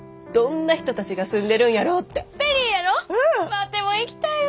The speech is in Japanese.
ワテも行きたいわ！